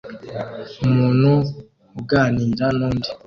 Umuntu uganira nundi